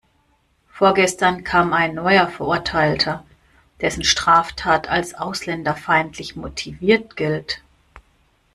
Vorgestern kam ein neuer Verurteilter, dessen Straftat als ausländerfeindlich motiviert gilt.